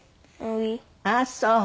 あっそう。